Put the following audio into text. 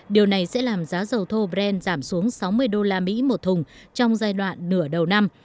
điều này sẽ làm giá dầu thô brand giảm xuống sáu mươi usd một thùng trong giai đoạn nửa đầu năm